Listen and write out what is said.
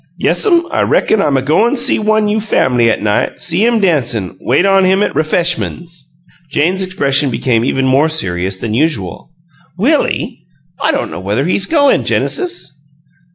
"Yes'm. I reckon I'm a go'n' a see one you' fam'ly 'at night; see him dancin' wait on him at ref'eshmuns." Jane's expression became even more serious than usual. "Willie? I don't know whether he's goin', Genesis."